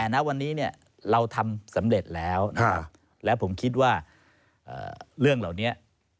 ณวันนี้เราทำสำเร็จแล้วนะครับและผมคิดว่าเรื่องเหล่านี้